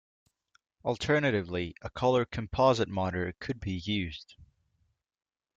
Alternatively, a color composite monitor could be used.